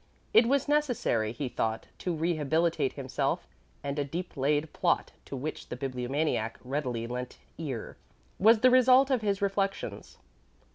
It was necessary, he thought, to rehabilitate himself, and a deep laid plot, to which the Bibliomaniac readily lent ear, was the result of his reflections.